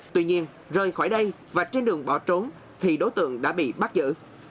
tuy nhiên rời khỏi đây và trên đường bỏ trốn thì đối tượng đã bị bắt giữ